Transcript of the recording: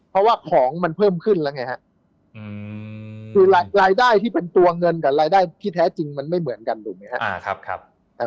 เพราะว่าของมันเพิ่มขึ้นแล้วไงฮะคือรายได้ที่เป็นตัวเงินกับรายได้ที่แท้จริงมันไม่เหมือนกันถูกไหมครับ